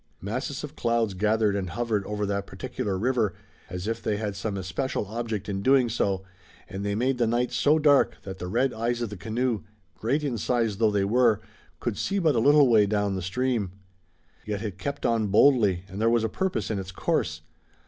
Masses of clouds gathered and hovered over that particular river, as if they had some especial object in doing so, and they made the night so dark that the red eyes of the canoe, great in size though they were, could see but a little way down the stream. Yet it kept on boldly and there was a purpose in its course.